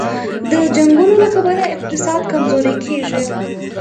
د جنګونو له کبله اقتصاد کمزوری کېږي.